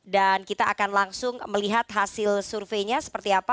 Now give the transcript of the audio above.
dan kita akan langsung melihat hasil surveinya seperti apa